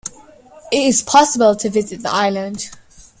It is possible to visit the island.